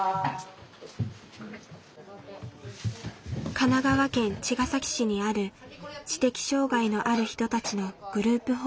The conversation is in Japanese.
神奈川県茅ヶ崎市にある知的障害のある人たちのグループホームです。